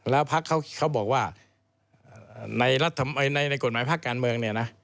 แล้วพักเขาบอกว่าในกฎหมายภาคการเมืองเนี่ยนะ